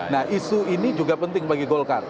nah isu ini juga penting bagi golkar